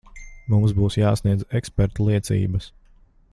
Mums būs jāsniedz ekspertu liecības.